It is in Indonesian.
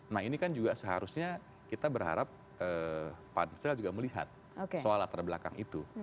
nah ini kan juga seharusnya kita berharap pansel juga melihat soal latar belakang itu